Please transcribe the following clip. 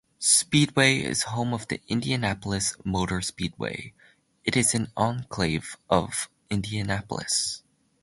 Speedway is home of the Indianapolis Motor Speedway; it is an enclave of Indianapolis.